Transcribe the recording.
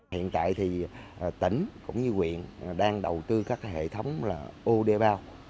hiện tại thì tỉnh cũng như quyện đang đầu tư các hệ thống là udb